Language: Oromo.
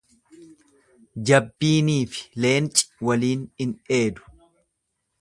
Jabbiinii fi leenci waliin in dheedu.